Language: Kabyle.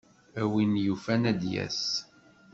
A win yufan ad d-yas.